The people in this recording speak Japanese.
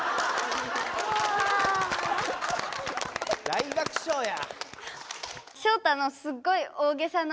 大爆笑や。